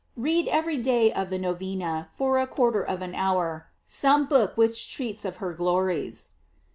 Read every day of the Novena, for a quar ter of an hour, some book which treats of her glories.